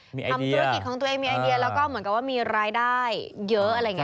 ทำธุรกิจของตัวเองมีไอเดียแล้วก็เหมือนกับว่ามีรายได้เยอะอะไรอย่างนี้